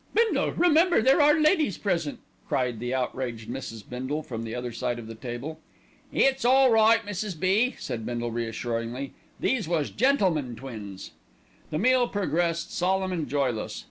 "Bindle, remember there are ladies present!" cried the outraged Mrs. Bindle from the other side of the table. "It's all right, Mrs. B.," said Bindle reassuringly. "These was gentlemen twins." The meal progressed solemn and joyless.